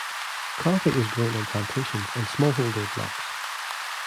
Coffee is grown on plantations and small-holder blocks.